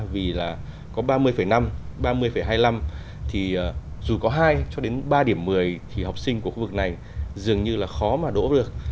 vì là có ba mươi năm ba mươi hai mươi năm thì dù có hai cho đến ba điểm một mươi thì học sinh của khu vực này dường như là khó mà đỗ được